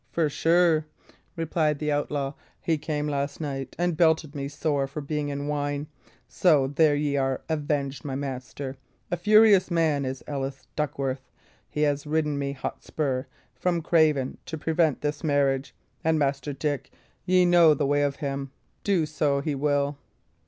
"For sure," replied the outlaw. "He came last night, and belted me sore for being in wine so there ye are avenged, my master. A furious man is Ellis Duckworth! He hath ridden me hot spur from Craven to prevent this marriage; and, Master Dick, ye know the way of him do so he will!"